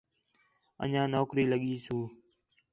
انڄیاں نوکری لڳی سو